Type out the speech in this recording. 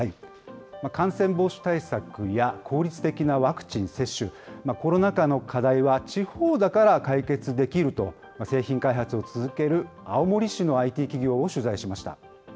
感染防止対策や効率的なワクチン接種、コロナ禍の課題は地方だから解決できると、製品開発を続ける青森市のＩＴ企業を取材しました。